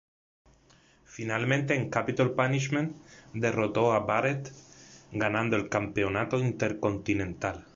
Finalmente, en "Capitol Punishment" derrotó a Barrett, ganando el Campeonato Intercontinental.